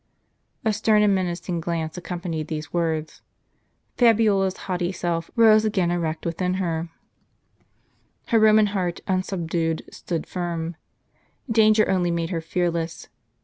A stern and menacing glance accompanied these words. Fabiola's haughty self rose again erect within her; her Roman heart, unsubdued, stood tirm. Danger only made her fearless.